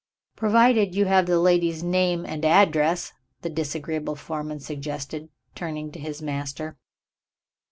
"Provided you have the lady's name and address," the disagreeable foreman suggested, turning to his master.